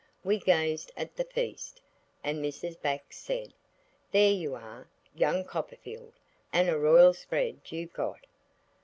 We gazed at the feast, and Mrs. Bax said– "There you are, young Copperfield, and a royal spread you've got."